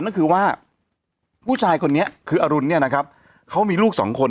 นั่นคือว่าผู้ชายคนนี้คืออรุณเนี่ยนะครับเขามีลูกสองคน